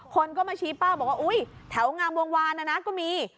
คนก็มาชี้เป้าบอกว่าอุ๊ยแถวงามวงวานนะนะก็มี